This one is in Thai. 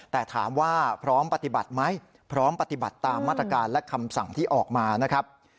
แต่ถามว่าพร้อมปฏิบัติไหมพร้อมปฏิบัติตามมาตรการและคำสั่งที่ออกมานะครับ